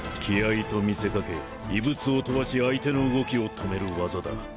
気合と見せかけ異物を飛ばし相手の動きを止める技だ。